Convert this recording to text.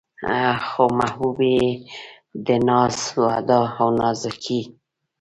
خو محبوبې يې د ناز و ادا او نازکۍ